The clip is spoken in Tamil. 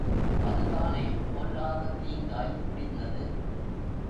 அதுதானே பொல்லாத தீங்காய் முடிந்தது?